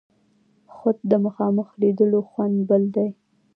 خو د مخامخ لیدلو خوند بل دی.